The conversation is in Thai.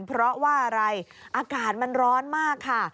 เพราะว่าอะไรอากาศมันร้อนมากค่ะ